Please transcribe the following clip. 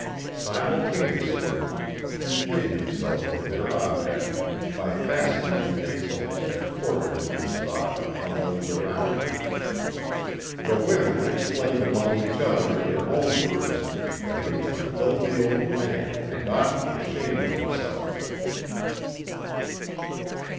Simultaneously he hid himself from their object by fastening the insults that poured into his thought upon those around him. The women explained among each other in their own words that he was a filthy old man and ought to be ashamed of himself.